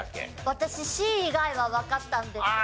私Ｃ以外はわかったんですけど。